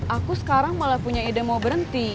aku sekarang malah punya ide mau berhenti